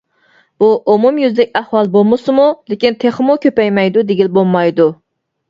بۇ ئومۇميۈزلۈك ئەھۋال بولمىسىمۇ، لېكىن تېخىمۇ كۆپەيمەيدۇ دېگىلى بولمايدۇ.